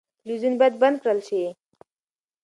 تلویزیون باید بند کړل شي.